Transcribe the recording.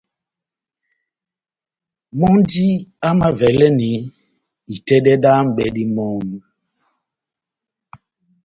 Mɔ́ndí mámavalɛ́ni itɛ́dɛ dá m’bɛ́dí mɔmu.